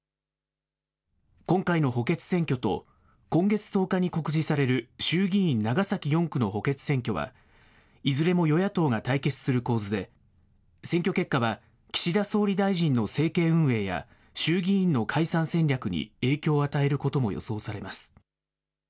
今回の補欠選挙と、今月１０日に告示される衆議院長崎４区の補欠選挙は、いずれも与野党が対決する構図で、選挙結果は、岸田総理大臣の政権運営や、衆議院の解散戦略に影響を与えることも予想されます。